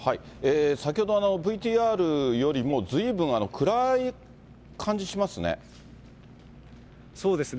先ほど、ＶＴＲよりもずいぶん暗い感じしますね。